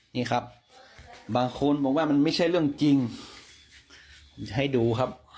นี่ครับพี่นอนครับ